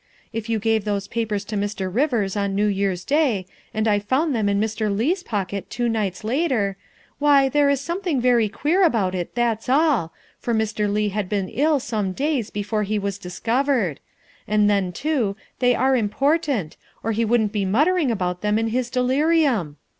If you gave those papers to Mr. Rivers on New Year's Day, and I found them in Mr. Leigh's pocket two nights later, why, there is something very queer about it, that's all, for Mr. Leigh had been ill some days before he was discovered; and then, too, they are important, or he wouldn't be muttering about them in his delirium.